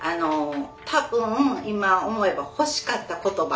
多分今思えば欲しかった言葉。